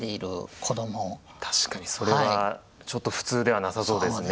確かにそれはちょっと普通ではなさそうですね。